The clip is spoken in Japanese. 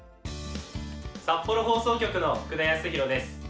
札幌放送局の福田裕大です。